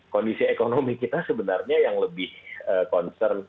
kondisi ekonomi kita sebenarnya yang lebih concern